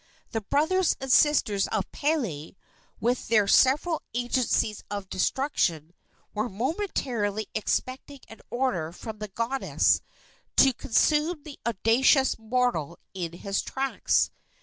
The brothers and sisters of Pele, with their several agencies of destruction, were momentarily expecting an order from the goddess to consume the audacious mortal in his tracks.